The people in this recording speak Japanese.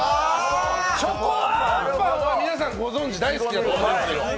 チョコあんぱんは皆さんご存じ、好きだと思います。